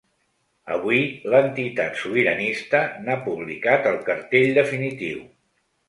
Avui, l’entitat sobiranista n’ha publicat el cartell definitiu.